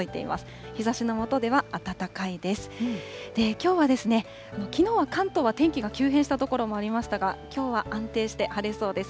きょうは、きのうは関東は天気が急変した所もありましたが、きょうは安定して晴れそうです。